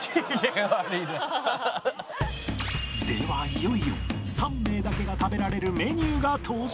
ではいよいよ３名だけが食べられるメニューが登場